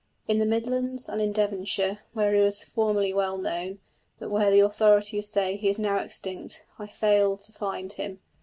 In the Midlands, and in Devonshire, where he was formerly well known, but where the authorities say he is now extinct, I failed to find him.